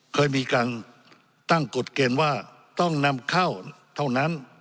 เคยมีการตั้งกฎเกณฑ์ว่าต้องนำเข้าเท่านั้น